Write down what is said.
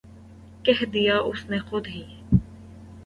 کہہ دیا اس نے خود ہی